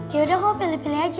yaudah kamu pilih pilih aja